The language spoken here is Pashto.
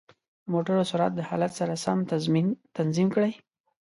د موټرو سرعت د حالت سره سم تنظیم کړئ.